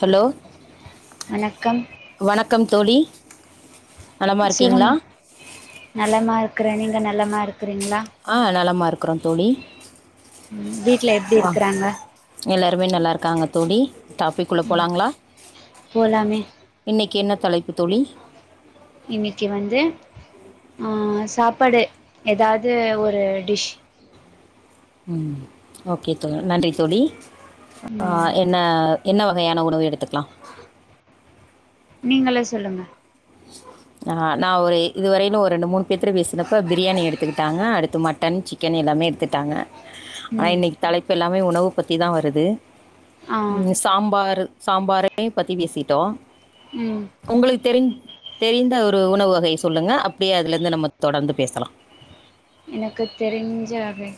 Hello வணக்கம் வணக்கம் வணக்கம் தோழி நலமா இருக்கீங்களா [unintelligible] நலமாருக்கற நீ அங்க நலமாருக் ஆ நலமாருக் யிற்குறோம் தோழி உம் வீட்ல யெப்டிருக்கறாங்க யெல்லாருமே நல்லாருக்காங்க தோழி டாபிக்குள்ள போலாங்களா போலாமே இன்னைக்கு யென்ன தலைப்பு தோழி இன்னைக்கு வந்து ஆ சாப்பாடு எதாது ஒரு டிஷ் ம் ஓகே தோ நன்றி தோழி ஆ ம் என்ன என்ன வகயான உணவு எடுத்துக்லா நீங்களே சொல்லுங்க ஆ நா ஒரு இ இதுவரையிலு ஒரு ரெண்டு மூணு பேத்துட்ட பேசினப்ப பிரியாணி எடுத்துக்கிட்டாங்க அடுத்து மட்டன் சிக்கன் எல்லாமே எடுத்துட்டாங்க ஆ ம் இன்னைக்கு தலை எல்லாமே உணவு பத்தி தா வருது ஆ ம் சாம்பாரு சாம்பாரே யு பத்தி பேசிட்டோ ம் உங்களுக்கு தெரி தெரிந்த ஒரு உணவு வகைய சொல்லுங்க அப்டியே அதுலந்து நம்ம தொடர்ந்து பேசலா எனக்கு தெரிஞ்ச வகை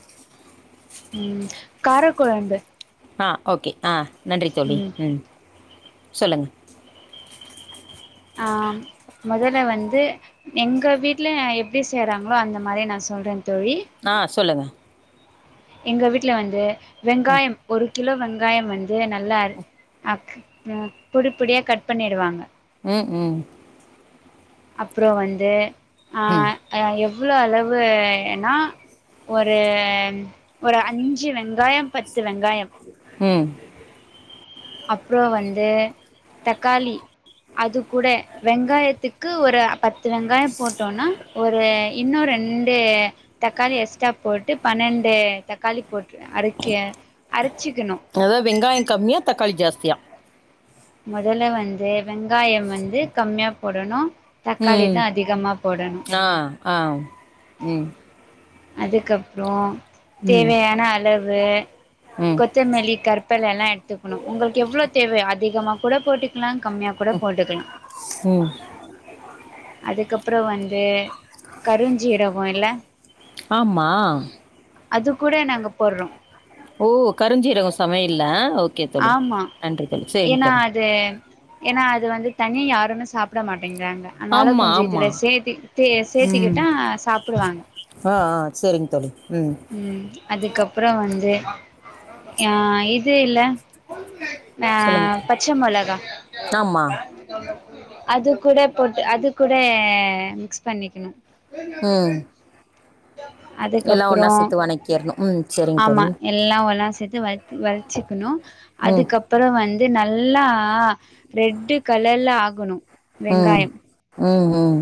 ம் கார கொழம்பு ஆ ஓகே ஆ நன்றி தோழி ம் சொல்லுங்க ஆ மொதல்ல வந்து எங்க வீட்ல எப்டி செய்ராங்களோ அந்த மாரி நா சொல்றே ஆ சொல்லுங்க எங்க வீட்ல வந்து வெங்காயம் ஒரு கிலோ வெங்காய வந்து நல்லா அக் ஆ பொடி பொடியா கட் பண்ணிடுவாங்க ம் ம் அப்ரோ வந்து ஆ ம் அய யோ எவ்ளோ அளவு னா ஒரு ஒரு அஞ்சு சு வெங்காய பத்து வெங்காயம் ம் அப்ரோ வந்து தக்காளி அது கூட வெங்காயத்துக்கு ஒரு த்து வெங்காயோ போட்டோன்னா ஒரு இன்னு ரெண் டு தக்காளி எஸ்டா போட்டு பன்னெண்டு தக்காளி போட்டு அரைக்க அரைச்சிக்குணு தியா மொதல்ல வந்து வெங்காய வந்து கம்மியா போடணு தக்காளி ம் தா அதிகமா போடணு ஆ ஆ ம் அதுக்கப்ரோ ம் தேவையான அளவு ம் கொத்தே மல்லி கருபெலலா எடுத்துக்குணு உங்களுக்கு எவ்ளோ தேவையோ அதிகமா குட போட்டுக்கலா கம்மியா குட போட்டுக்கலா ம் அதுக்கப்புறோ வந்து கருஞ்சீரகம் இல்ல ஆமா அது கூட நாங்க போட்றோ ஓ கருஞ்சீரகோ சமையல்ல ஓ ஆமா ஏன்னா அது ஏன்னா அது வந்து தனி யாருமே சாப்ட மாட் அப்படிங்கறாங்க அதனால ஆமாம் கொஞ்சோ இதுல ஆமாம் சேர்த்துக்கிட்டு ம் சேர்த்திக்கிட்டா சாப்டுவாங்க ஆ ஆ சரிங்க தோழி ம் அதுக்கப்புறோ வந்து ஆ இது இல்ல ஆ சொல்லுங்க தோழி பச்ச மொளகா ஆமாம் அது கூட போட்டு அது கூட மிக்ஸ் பண்ணிக்கணு [inaudible] ம் எல்லா அதுக்கப் ஒன்னா சித்து வணக்கிர்ணும் ம் செரிங்க தோழி சத்து வ வ வச்சுக்கணு ம் அதுக்கப்பறோ வந்து நல்ல எல்லாம் ரெட்டு கலர்ல ஆகணு ம் வெங்காயம் ம் ம்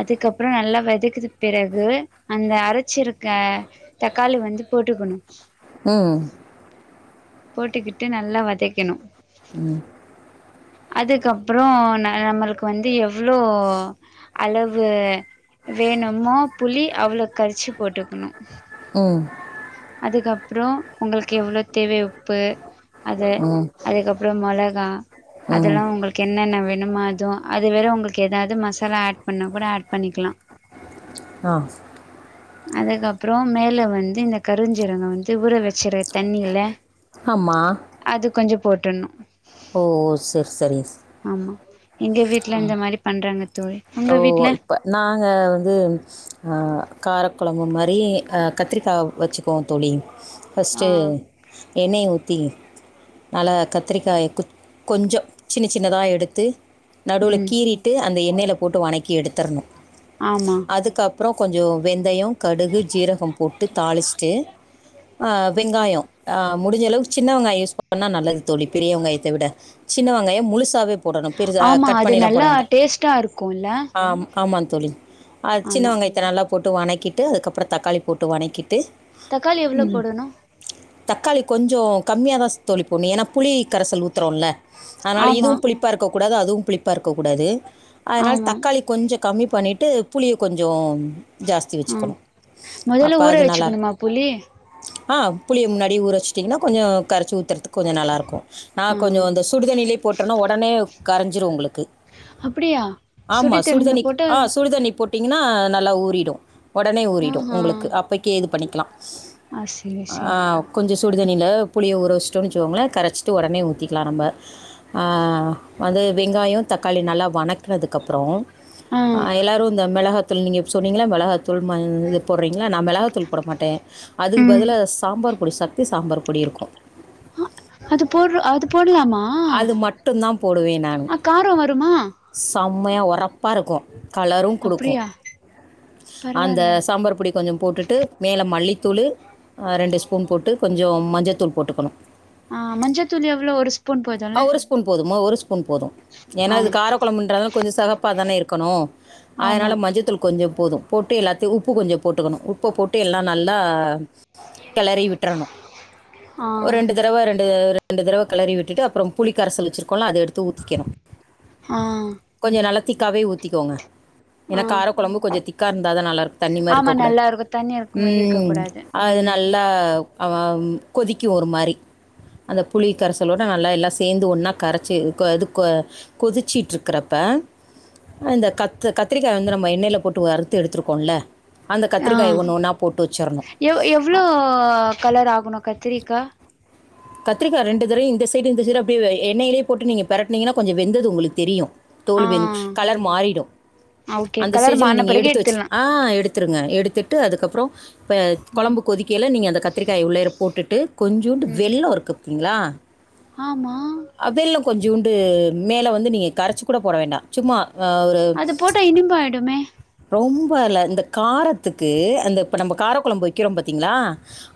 அதுக்கப்பறோ நல்லா வத்தக்குனதுக்கு பிறகு அந்த அரைச்ச இருக்க தக்காளி வந்து போட்டுக்கணு ம் போட்டுக்கிட்டு நல்லா வதைக்கணு ம் அதுக்கப்பறோ ந நம்மளுக்கு வந்து எவ்வளோ அளவு வேணுமோ புளி அவ்வளவு கரிச்சு போட்டுக்கணு ம் அதுக்கப்புறோ உங்களுக்கு எவ்வளோ தேவையோ ப்பு அது ம் அதுக்கப்றோ மொளகா ம் அதெல்லா உங்களுக்கு என்னென்ன வே என்ன மாதோ அது வேரு உங்களுக்கெதாது மசாலா ஆட் பண்ணா கூட ஆட் பண்ணிக்லா ஆ அதுக்கப்றோ மேல வந்து இந்த கருஞ்சீரகோ வந்து உறவெக் சரி தண்ணி இல்ல ஆமா அது கொஞ்ச போட்ன்னு ஓ செர் சரிஸ் எங்க வீட்ல இந்த மாரி பண்றாங்க தோழி ஓ உங்க வீட்ல இப்ப நாங்க வந்து ஆ காரக்கொழம்பு மாரி யே அ கத்திரிக்கா வச்சுக்குவோ தோழி ஃபஸ்ட்டு ஆ எண்ணெய ஊத்தி நல்லா கத்திரிக்காய கு கொஞ்ச சின்ன சின்னதா எடுத்து நடுவுல ம் கீறிட்டு அந்த எண்ணெயில போட்டு வணக்கி எடுத்தர்னு ஆமா அதுக்கப்ரோ கொஞ்சோ வெந்தயோ கடுகு ஜீரகம் போட் விட்டு தாளிச்ட்டு ஆ வெங்காயோ ஆ முடிஞ்ச அளவுக்கு சின்ன வெங்காயோ யூஸ் பண்ணா நல்லது தோழி பெரிய வெங்காயத்த விட சின்ன வெங்காயோ முழுசாவே போடனு பெருசா இது நல்லா டேஸ்ட்டா இருக்குல்ல ஆமாங் தோழி அது சின்ன ஆமா வெங்காயத்த நல்லா போட்டு வணக்கிட்டு அதுக்கப்றோ தக்காளி போட்டு வணக்கிட் தக்காளி எவ்ளோ போடணு தக்காளி கொஞ்சோ கம்மியாதாஸ் தோழி போட்னு ஏனா புளி கரசல் ஊத்ரோல அதனால ஆமா இதுவு புளிப்பா இருக்கு கூடாது அதுவு புளிப் ப்பா இருக்கக் கூடாது அனால ஆமா தக்காளி கொஞ்ச கம்மி பண்ணிட் ட்டு புளிய கொஞ்சோம் ஆ முதல்ல ஊற அது நல்லாயிருக்கும் வச்சுக்கணுமா புலி ஆ புளிய முன்னாடி ஊறச்சிட்டீங்கன்னா கொஞ்சோ கரைச்சி ஊற்றுறக்கு கொஞ்சோ நல்லாயிருக்கூ ஆ நான் கொஞ்சோ அ சுடுதனண்ணிலயே போட்டேன்னா உடனே கரஞ்சிரு உங்களுக்கு அப்டியா ஆமா சுடு தண்ணில சுடுதண்ணிக் போட்டு அ சுடுதண்ணி போட் டிங்கன்னா நல்லா ஊறிடு உடனே ஊறிடு ஆஹா உங்களுக்கு அப்பக்கே இது பண்ணி க்கலா ஆ சேரி ஆ சேரி கொஞ்சோ சுடுதண்ணில புளிய ஊற வச்சட்டோன்னுவச்சுகோங்களேன் கரைச்சிட்டு உடனே ஊத்திக்கலாம் நம்ம அ வந்து வெங்காயம் தக்காளி நல்லா வணக்கதுக்கப்புறோ ஆ எல்லாரும் இந்த மெழக தோழி நீங்க இப்ப சொன்னீங்ளா மொளகா தூள் மஞ் போடுறீங்கள்ள நா மிளகாத்தூள் போட மாட்டேன் அதுக்கு ம் பதிலா சாம்பார் பொடி சக்தி சாம்பார் பொடி இருக்கு அது போடுறோ அது போடலாமா அது மட்டும்தான் அ காரோ ம்மா செம்மையா உரப்பா இருக்கு கலரூ குடுக்கு அப்டியா அந்த பரவால்ல சாம்பார் பொடி கொஞ்சம் போட்டுட்டு மேல மல்லி துளிர் ரெண்டு ஸ்பூன் போட்டு கொஞ் சோ மஞ்சத்தூள் போட்டுக்கணு ஆ மஞ்சத்தூள் எவ்ளோ ஒரு ஸ்பூன் ஆ, போதுல்ல ஒரு ஸ்பூன் போதுமா ஒரு ஸ்பூன் போது ஏனா ஆ இது காரக்கொழம்புன்றனால கொஞ்சோ சிவப்பா தானே இருக்கணு அதனால ஆமா மஞ்சத்தூள் கொஞ்சோ போது போட்டு எல்லாத்தையு உப்பு கொஞ்சோ போட்டுக்கணு உப்ப போட்டு எல்லா நல்லா கிளறி விட்டறணு ஆ ஒரு ரெண்டு தறவ ரெண்டு ரெண்டு தறவ கிளறி விட்டுட்டு அப்புறம் புலி கரல் வெச்சிரு கொல்ல அத எடுத்து ஊத்திக்கணு ஆ த்திக்காவே ஊத்திக்கோங்க ஏனா ஆ கார கொழம்பு கொஞ்சோ திக்கா இருந்தா நல்லா இருக்கு தண்ணி மாரி ஆமா இருக்க கூடாது நல்லா இருக்கு தண்ணி இருக்குமே இருக்க ம் கூடாது அது ம் நல்லா கொதிக்கு ஒரு மாரி அந்த புளி கரைசலோட நல்லா எல்லா சேந்து ஒன்னா கரச்சு கொ இது கொ கொதிச்சிட்டுருக்கறப்ப இந்த கத் கத்திரிக்கா வந்து நம்ம எண்ணெய்ல போட்டு வறுத்து எடுத்துருக்கோல்ல ஆ எவ் எவ்ளோ கலர் ஆகணு கத்திரிகா கத்திரிக்கா ரெண்டு தடையு இந்த சைடு இந்த சைடு அப்படியே எண்ணெயிலயே போட்டு நீங்க பிரட்டினீங்கன்னா கொஞ்சோ வெந்தது உங்களுக்கு தெரியு ஆ தோல்வெந் கலர் மாறிடு ஓகே அந்த கலர் ஸ்டேஜ்ல மாறுன நீங்க பிறகு எடுத்து வெச்ரு எடுத்துட்லா ஆ எடுத்துருங்க ஆ எடுத்து ட்டு அதுக்கப்புறோ இப்போ கொழம்பு கொதிக்கைல நீங்க அந்த கத்திரிக்காய உள்ளேற போட் டு கொஞ் ம் வெல்லோ இருக்கு பாத்கீங்ளா ஆமா அ வெல்லோ கொஞ் ஜூண்டு மேல வந்து நீங்க கரச்சு கூட போட வேண்டா சும்மா அஹ், ஒரு அது போட்டா இனிபாயிடுமே பல்ல இந்த காரத்துக்கு அந்த இப்ப நம்ம கார கொழம்பு வெக்கிறோம் பாத்தீங்களா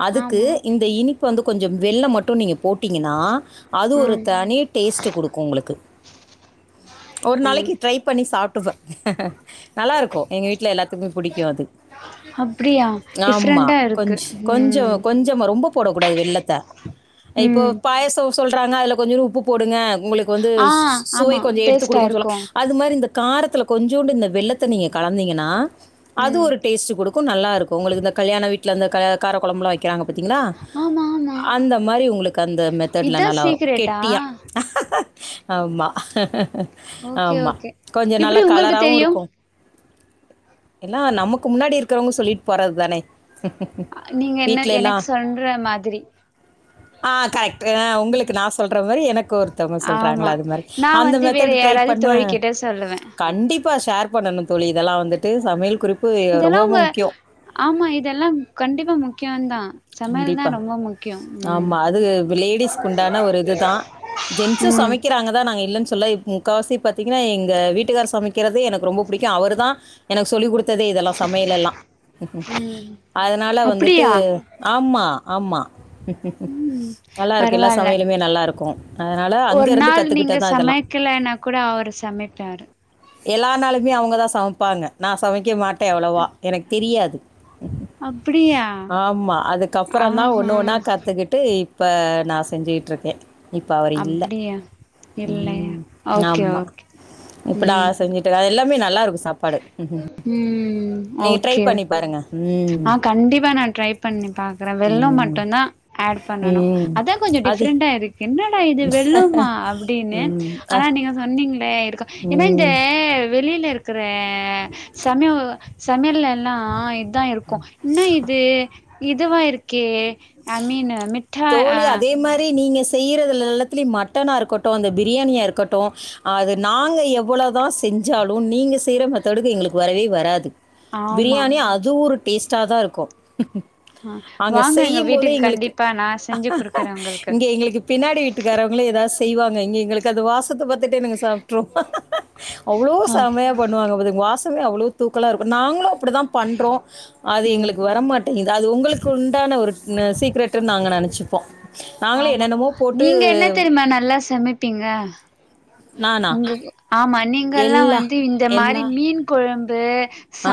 அதுக்கு ஆமா இந்த இனி உப்பு வந்து கொஞ்ச வெல்லோ மட்டு நீங்க போட்டிங்கன்னா அது ஒரு ம் தனி டேஸ்ட் குடுக்கு உங்களுக்கு ஒரு ஆ நாளைக்கு ட்ரை பண்ணி சாப் [unintelligible] நல்லா இருக்கு எங்க வீட்டுல எல்லாத்துக்குமே புடிக்கு அது அப்டியா ஆமா டிஃப்ரெண்டா கொஞ் இருக்கு கொஞ்சோ ம் கொஞ்சமா ரொம்ப போடக் கூடாது வெல்லத்த இப்போ ம் பாயசோ சொல்றாங்க அதுல கொஞ்சோடு உப்பு போடுங்க உங்களுக்கு வந்து ஆ சுவை ஆமா கொஞ்சோ எடுத்து டேஸ்ட்டா குடுக்கு இருக்கு சொல் அது மாரி இந்த காரத்துல கொஞ்சோண்டு இந்த வெல்லத்த நீங்க கலந்தீங்கன்னா அது ம் ஒரு டேஸ்ட்டு குடுக்கு நல்லா இருக்கு உங்களுக்கு இந்த கல்யாண வீட்டுல அந்த க கார கொழம்புலா வைக்கிறாங்க பாத்தீங்களா ஆமா ஆமா அந்த மாரி உங்களுக்கு அந்த மெத்தட்ல இதா நல்லா வரும் சீக்ரெட்டா கெட்டியா ஆமா ஓகே ஆமா. ஓகே எப்டி உங்களுக்கு தெரியு எல்லா நமக்கு முன்னாடி இருக்கிறவங்க சொல்லிட்டு போறது தானே நீங்க என்ன வீட்ல எனக்கு எல்லாம் சொல்ற மாதிரி ஆ கரெக்ட் அ உங்களுக்கு நா சொல்ற மாரி எனக்கு ஒருத்தவங்க ஆமா சொல்றாங்கள அது மாரி நா அந்த வந்து வேற மெத்தடு டரை யாராவது பண்ண தோழிக்கிட்ட சொல்லுவே கண்டிப் பா ஷேர் பண்ணணு தோழி இதெல்லா வந்துட்டு சமையல் குறிப்பு இதெல்லா ரொம்ப ரொம்ப உங்க முக்கியம். ஆமா இதெல்லா கண்டிப்பா முக்கிய தா சமையல் தா கண்டிப்பா. ரொம்ப முக் ஆமா அது லேடிஸ்குண்டான ஒரு இதுதா ஜென்ஸும் ம் சமைக்கிறாங்கதா நாங்க இல்லன் சொல்ல முக்கா சி பாத்தீங்கன்னா எங்க வீட்டுகார் சமைக்கிறது எனக்கு ரொம்ப புடிக்கும் அவரு தா எனக்கு சொல்லி குடுத் த்ததே இதெல்லா சமையலெல்லா ம் அதனால வந்துட்டு ஆமா ஆமா உம் நல்லாருக்கும். எல்லா பரவால்ல சமையலுமே நல்லாருக்கும். அதனால அங்க ஒரு இருந்து நாள் நீங்க கத்துக்கிட்டது தான் இதெல்லாம். சமைக்கலன்னா கூட அவரு சமைப்பாரு எல்லா நாலுமே அவங்கதா சமைப்பாங்க நா சமைக்க மாட் அவ்வளோவா எனக்கு தெரியாது அப்டியா ஆமா அதுக்கப்பறந்தா ஒர் ஆஹா னொன்னா கத்துக்கிட்டு இப்ப நா செஞ்சிகிட்டுருக்கே இப்ப அவர் இல்ல அப்டியா இல்லையா உம் ஓகே ஆமா ஓகே இப்ப நா ம் செஞ்சுட்டு எல்லாமே நல்லா இருக்கு சாப்பாடு ம் நீங்க ட்ரை ஓகே பண்ணி பாருங்க ம். ஆ கண்டிப்பா நா ட்ரை பண்ணி பாக்குறே வெல்லம் ம். மட்டும் தான் ஆட் பண்ணணு ம். அதான் கொஞ்சோ அது டிஃப்ரெண்டா இருக்கு என்ன இது வெல்லுமா அப்டின்னு ம். அ. ஆனா நீங்க சொன்னீங் னே இருக்கும் ஏன்னா இந்த ம். வெளில இருக் இருக்கற சமயோ சமையல்ல எல்லாம் தான் இருக்கூ இன்ன இது இதுவா இருக்கே அ மீன் மிட்டா தோழி அ அதே மாதிரி நீங்க செய்யறதுல எல்லத்துலயும் மட்டனா இருக்கட்டுஅந்த பிரியாணியா இருக்கட்டு அது நாங்க எவ்வளவுதான் செஞ்சாலும் நீங்க செய்யற மெத்தோடுக்கு எங்களுக்கு வரவே வராது ஆமா பிரியாணி அது ஒரு டேஸ்ட்டா தா இருக்கூ ஆ அங்க வாங்க எங்க செய்யும்போதே வீட்டுக்கு எங்களுக்கு கண்டிப்பா நா செஞ்சு குடுக்குறே உங்களுக்கு இங்க எங்களுக்கு பின்னாடி வீட்டுக்காரவங்களே ஏதாவது செய்வாங்க இங்க எங்களுக்கு அந்த வாசத்த பாத்துட்டே நாங்க சாப்ட்ருவோ அவ்ளோ சமையா பண்ணுவாங்க பாத்துக்கோ வாச அவ்ளோ தூக்கலா இருக்கூ நாங்களும் அப்டி தான் பண்ணுறோ அது ம் எங்களுக்கு வரமாட்டேங்கது அது உங்களுக்கு உண்டான ஒரு ட் னு சீக்ரெடன்னு நாங்க நனச்சுப்போ ஆமா நீங்க என்ன தெரியுமா நல்லா சமப்பீங்க நானா? உங்க கு ஆமா நீங்கல்லாம் எல்லா வந்து இந்த மாரி எல்லா மீன் கொழம் பே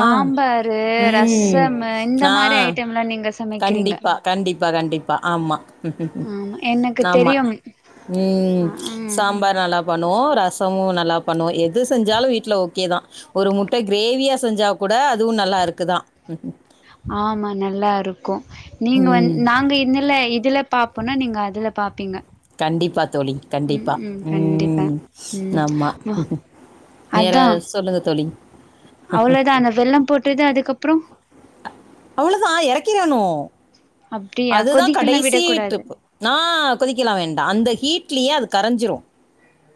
ஆ. ம். ரசம் இந்த ஆ. மாரி ஐட்டம் எல்லாம் நீங்க சமைக்கிறீங்க கண்டிப்பா கண்டிப் ப்பா கண்டிப்பா ஆம்மா ஆமா எனக்கு ஆமா தெரியும் ம் ஆ ம் சாம்பார் நல்லாப் பண்ணுவோ ரசமும் நல்லா பண்ணுவோ எது செஞ்சாலும் வீட்டுல ஓகேதான் ஒரு முட்டை கிரேவியா செஞ்சா கூட அதுவும் நல்லா இருக்குதான் ஆமா நல்லா இருக் க்கு நீங்க வந ம் நாங்க இன்ல இதுல பாப்போன்னா நீங்க அதுல பாப்பீங்க கண்டிப்பா தோழி ம் கண்டிப்பா ம் கண்டிப்பா ம் ம் ஆமா வா வேற சொல்லுங்க தோழி அவ்ளுதா அந்த வெள்ளம் போட்டுது அதுக் கப்பறோ அவ்வளதான் இறக்கிறணும் அப்டியா அதுதான் கொதிக்கலா விடக்கூடாது கடைசிட்டுப்பு நா கொதிக்கலா வேண்டா அந்த ஹீட் ட்லயே அது கரைஞ்சிடு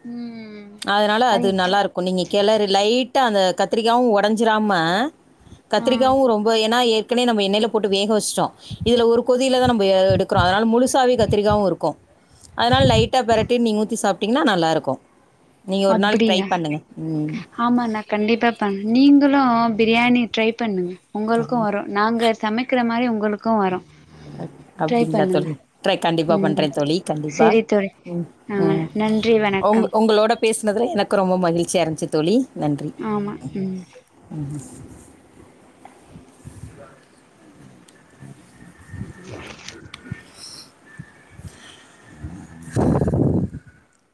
ம் அதனால அது நல்லா இருக்கூ நீங்க கிளறு லைட்டா அந்த கத்திரிக்காவும் உடஞ்சுராம ஆ கத்திரிக்காவு ரொம்ப ஏன்னா ஏற்கனவே நம்ம எண்ணெயில போட்டு வேக வச்சுட்டோ இதுல ஒரு கொதியிலதா நம்ம எடுக்கிறோ அதனால முழுசாவே கத்திரிக்காவு இருக்கு அதனால லைட்டா பெரட்டி நீங்க ஊத்தி சாப்பிட்டீங்கன்னா நல்லா இருக்கு அப்படியா ஆமா நா கண்டிப்பா பண்ண நீங்களும் பிரியாணி ட்ரை பண்ணுங்க உங்களுக்கும் வரும் நாங்க சமைக்கிற மாரி உங்களுக்கும் வரும் கண்டிப்பா. டரை அப்டிங்களா பண்ணுங்க தோழி? ட்ரை கண்டிப்பா உம் பண்றேன் தோழி. கண்டிப்பா. சரி தோழி ம், ஆ நன்றி வணக்கம் னதுல்ல எனக்கு ரொம்ப மகிழ்ச்சியா இருந்துச்சு தோழி நன்றி ஆமா ம் ம் [inaudible] [inaudible] [inaudible]